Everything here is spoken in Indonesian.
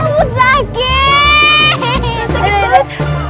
aduh sakit banget